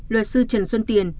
luật sư trần xuân tiền